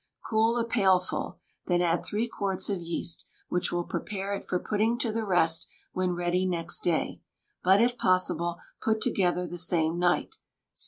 Cool a pailful; then add three quarts of yeast, which will prepare it for putting to the rest when ready next day; but, if possible, put together the same night.